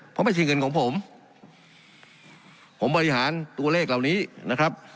เพราะไม่ใช่เงินของผมผมบริหารตัวเลขเหล่านี้นะครับ